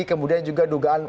kemudian juga dugaan